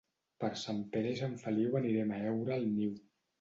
Per Sant Pere i Sant Feliu anirem a heure el niu.